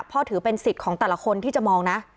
ถือเป็นสิทธิ์ของแต่ละคนที่จะมองนะ